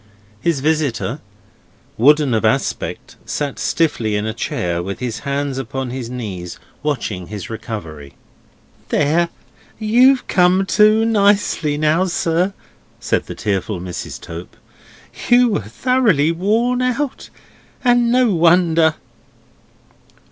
His visitor, wooden of aspect, sat stiffly in a chair, with his hands upon his knees, watching his recovery. "There! You've come to nicely now, sir," said the tearful Mrs. Tope; "you were thoroughly worn out, and no wonder!"